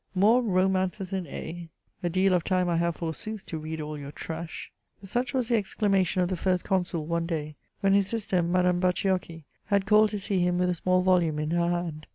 More romancas in A ! A deal of time I have, forsooth, to read all your trash !" Such was the exclamation of the First Consul, one day, when his sister, Madame Bacciochi, had called to see him with a small volume in her hand.